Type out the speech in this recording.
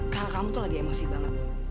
kak kamu tuh lagi emosi banget